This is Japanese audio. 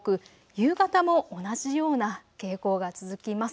夕方も同じような傾向が続きます。